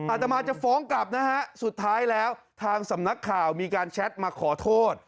อาตมาจะฟ้องกลับนะฮะสุดท้ายแล้วทางสำนักข่าวมีการแชทมาขอโทษ